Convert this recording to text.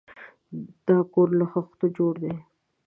دا کور له خښتو جوړ دی.